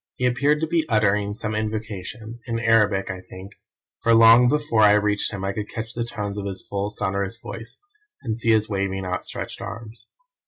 He appeared to be uttering some invocation in Arabic, I think for long before I reached him I could catch the tones of his full, sonorous voice, and see his waving, outstretched arms.